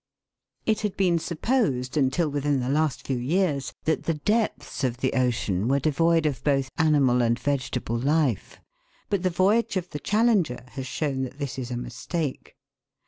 It had been supposed, until within the last few years, that the depths of the ocean were devoid of both animal and vegetable life, but the voyage of the Challenger has shown that this is a mistake.